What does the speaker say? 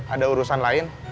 ada urusan lain